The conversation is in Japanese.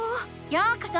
ようこそ！